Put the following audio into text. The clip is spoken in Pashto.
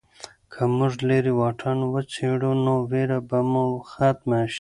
که موږ لیرې واټن وڅېړو نو ویره به مو ختمه شي.